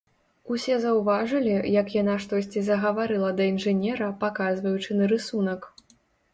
Усе заўважылі, як яна штосьці загаварыла да інжынера, паказваючы на рысунак.